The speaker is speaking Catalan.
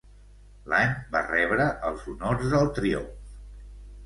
L'any va rebre els honors del triomf.